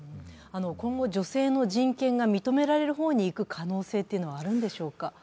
今後、女性の人権が認められる方にいく可能性はあるんでしょうか？